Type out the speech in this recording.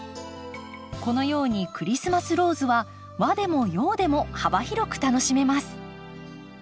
このようにクリスマスローズは和でも洋でも幅広く楽しめます。